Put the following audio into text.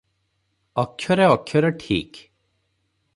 ଅକ୍ଷରେ ଅକ୍ଷରେ ଠିକ୍ ।